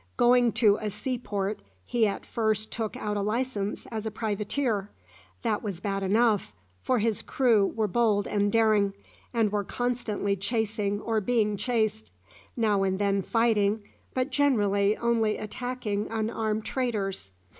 "Going to a sea port, he at first took out a licence as a privateer. That was bad enough, for his crew were bold and daring, and were constantly chasing or being chased; now and then fighting, but generally only attacking unarmed traders.